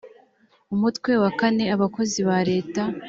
umutwe wakane abakozi ba leta